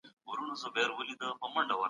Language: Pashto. په تحقیق کې ریښتونولي تر ټولو لوی صفت دی.